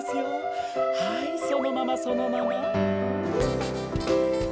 はいそのままそのまま。